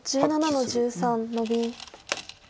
白１７の十三ノビ。